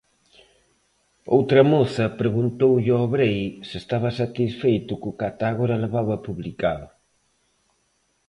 Outra moza preguntoulle ao Brei se estaba satisfeito co que ata agora levaba publicado.